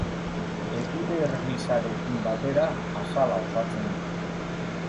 Epidermisarekin batera, azala osatzen du.